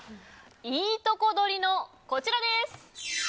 いいとこ取りのこちらです。